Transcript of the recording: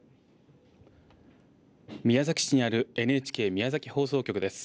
宮崎市にあるＮＨＫ宮崎放送局です。